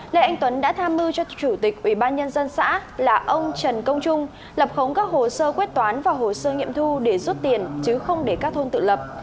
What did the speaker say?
lê anh tuấn đã tham mưu cho chủ tịch ủy ban nhân dân xã là ông trần công trung lập khống các hồ sơ quyết toán và hồ sơ nghiệm thu để rút tiền chứ không để các thôn tự lập